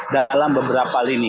bukan dalam beberapa lini